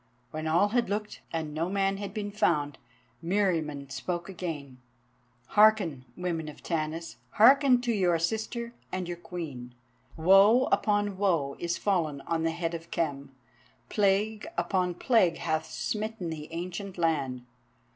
When all had looked, and no man had been found, Meriamun spoke again. "Hearken, women of Tanis, hearken to your sister and your Queen. Woe upon woe is fallen on the head of Khem. Plague upon plague hath smitten the ancient land.